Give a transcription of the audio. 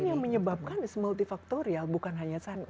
kan yang menyebabkan is multifaktorial bukan hanya satu